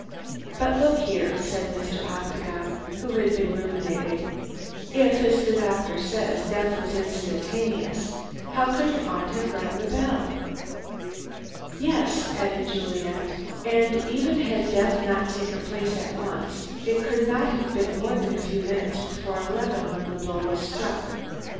"But, look here," said Mr. Octagon, who had been ruminating; "if, as the doctor says, death was instantaneous, how could your aunt have rung the bell?" "Yes," added Juliet. "And even had death not taken place at once, it could not have been more than a few minutes before eleven when the blow was struck.